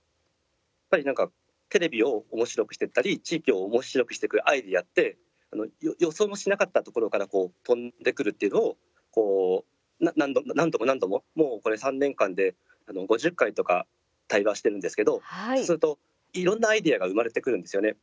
やっぱりなんかテレビをおもしろくしてったり地域をおもしろくしていくアイデアって予想もしなかったところから飛んでくるというのを何度も何度も、もうこれ３年間で５０回とか対話してるんですけどすると、いろんなアイデアが生まれてくるんですよね。